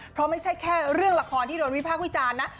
เพราะไม่ใช่แค่เรื่องละครที่โดนวิพากษ์วิจารณ์นะ